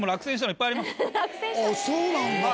あっそうなんだ。